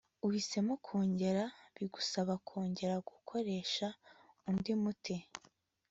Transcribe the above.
uhisemo kongera bigusaba kongera gukoresha undi muti